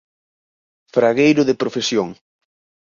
Fragueiro de profesión.